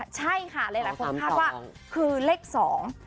ใช่ค่ะเลยละคุณคาดว่าคือเลขสอง